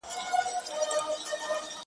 كله توري سي.